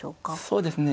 そうですね。